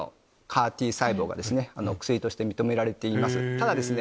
ただですね